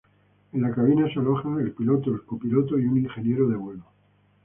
En la cabina se alojan el piloto, el copiloto y un ingeniero de vuelo.